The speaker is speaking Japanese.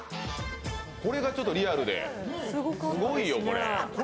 これがリアルで、すごいよ。これ。